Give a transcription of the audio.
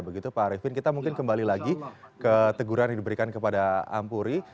begitu pak arifin kita mungkin kembali lagi ke teguran yang diberikan kepada ampuri